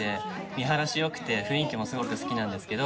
見晴らしよくて雰囲気もすごく好きなんですけど